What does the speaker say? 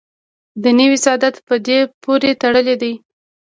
دنیوي سعادت په دې پورې تړلی دی.